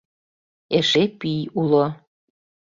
Эше пий уло.